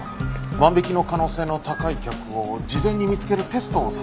万引きの可能性の高い客を事前に見つけるテストをさせてくれって。